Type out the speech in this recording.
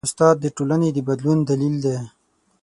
استاد د ټولنې د بدلون دلیل دی.